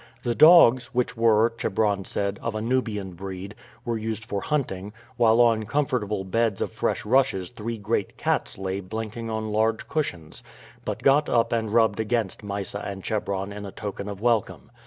The dogs, which were, Chebron said, of a Nubian breed, were used for hunting; while on comfortable beds of fresh rushes three great cats lay blinking on large cushions, but got up and rubbed against Mysa and Chebron in token of welcome.